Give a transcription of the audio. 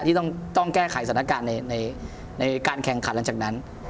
ที่ต้องแก้ไขสถานการณ์ในการแข่งขันหลังจากนั้น